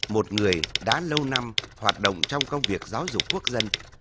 một người đã lâu năm hoạt động trong công việc giáo dục quốc dân